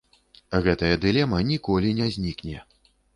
Гэтая дылема ніколі не знікне.